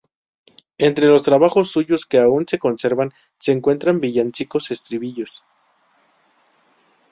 Entre los trabajos suyos que aún se conservan se encuentran villancicos, estribillos.